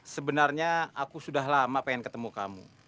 sebenarnya aku sudah lama pengen ketemu kamu